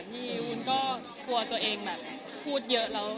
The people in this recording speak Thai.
ก็มีข่าวต่อไปพอดีแล้ว